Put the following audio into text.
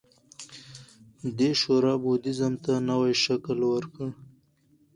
دې شورا بودیزم ته نوی شکل ورکړ